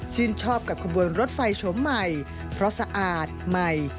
ชอบกับขบวนรถไฟชมใหม่เพราะสะอาดใหม่